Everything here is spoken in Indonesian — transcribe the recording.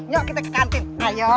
yuk kita ke kantin ayo